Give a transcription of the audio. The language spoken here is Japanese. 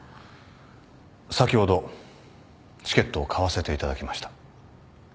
先ほどチケットを買わせていただきました。